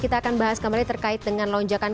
kita akan bahas kembali terkait dengan lonjakan